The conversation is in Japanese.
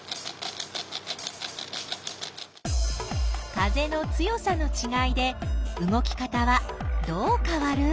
風の強さのちがいで動き方はどうかわる？